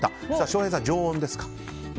翔平さん、常温ですか。